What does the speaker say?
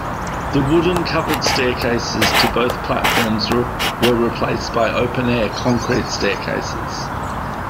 The wooden covered staircases to both platforms were replaced by open-air concrete staircases.